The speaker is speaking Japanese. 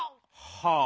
はあ。